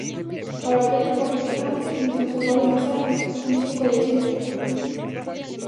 Para obter un toque picante, mesmo se poden asar cun chisco de chile picado.